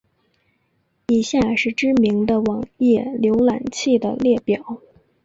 以下是知名的网页浏览器的列表。